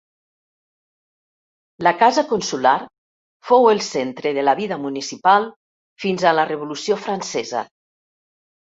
La casa Consular fou el centre de la vida municipal fins a la revolució francesa.